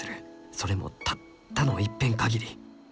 それもたったのいっぺん限り。